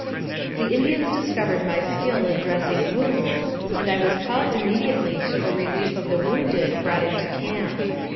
The Indians discovered my skill in dressing wounds, and I was called immediately to the relief of the wounded brought into camp.